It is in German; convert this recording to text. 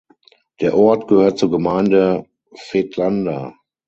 Der Ort gehört zur Gemeinde Vetlanda.